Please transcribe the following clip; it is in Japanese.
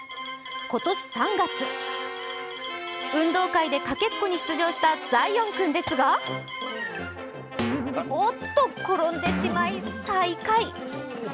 今年３月、運動会でかけっこに出場したザイオン君ですがおっと、転んでしまい最下位。